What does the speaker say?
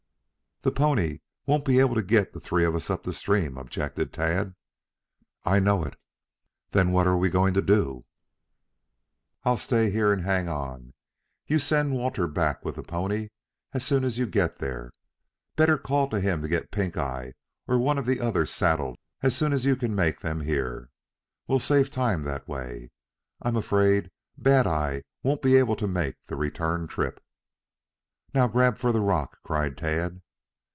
"The pony won't be able to get the three of us up the stream," objected Tad. "I know it." "Then, what are we going to do?" "I'll stay here and hang on. You send Walter back with the pony as soon as you get there. Better call to him to get Pink eye or one of the others saddled as soon as you can make him hear. We'll save time that way. I'm afraid Bad eye won't be able to make the return trip." "Now grab for the rock," cried Tad.